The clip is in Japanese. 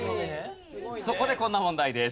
そこでこんな問題です。